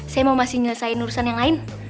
saya mau masih nyelesaikan urusan yang lain